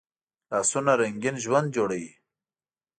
لاسونه رنګین ژوند جوړوي